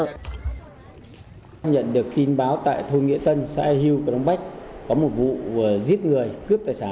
sau khi nhận được tin báo tại thôn nghĩa tân xã yà hưu công bách có một vụ giết người cướp tài sản